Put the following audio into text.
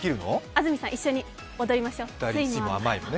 安住さん、一緒にやりましょう。